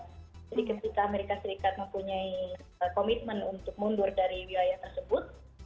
jadi ketika amerika serikat mempunyai komitmen untuk mundur dari wilayah tersebut